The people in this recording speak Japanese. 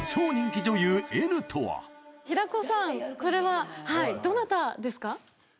平子さん、これはどなたですか？